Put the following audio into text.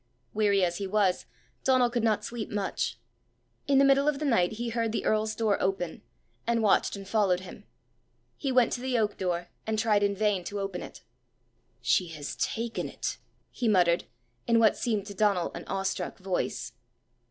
Weary as he was, Donal could not sleep much. In the middle of the night he heard the earl's door open, and watched and followed him. He went to the oak door, and tried in vain to open it. "She has taken it!" he muttered, in what seemed to Donal an awe struck voice.